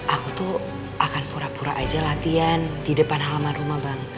aku tuh akan pura pura aja latihan di depan halaman rumah bang